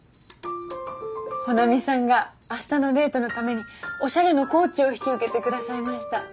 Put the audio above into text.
穂波さんが明日のデートのためにおしゃれのコーチを引き受けて下さいました。